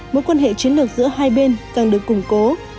mối quan hệ chiến lược giữa hai bên càng được củng cố